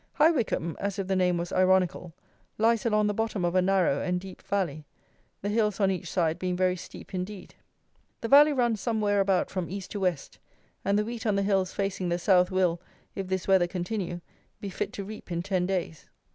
High Wycombe, as if the name was ironical, lies along the bottom of a narrow and deep valley, the hills on each side being very steep indeed. The valley runs somewhere about from east to west, and the wheat on the hills facing the south will, if this weather continue, be fit to reap in ten days.